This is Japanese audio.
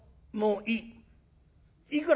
「もういい」。